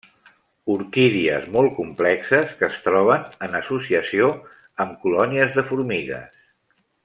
Orquídies molt complexes, que es troben en associació amb colònies de formigues.